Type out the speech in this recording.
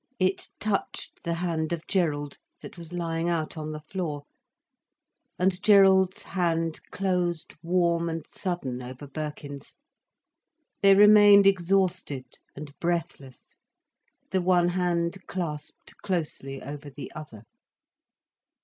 It touched the hand of Gerald, that was lying out on the floor. And Gerald's hand closed warm and sudden over Birkin's, they remained exhausted and breathless, the one hand clasped closely over the other.